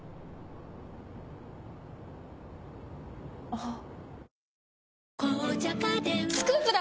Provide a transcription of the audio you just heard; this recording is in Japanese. あっ。